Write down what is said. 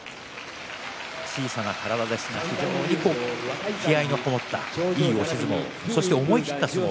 小さな体ですが非常に気合いがこもったいい押し相撲そして思い切った相撲